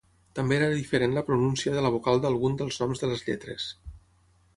També era diferent la pronúncia de la vocal d'algun dels noms de les lletres.